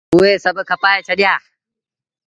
هئو سڀ کپآئي ڇڏيآ۔